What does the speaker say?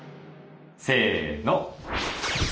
せの！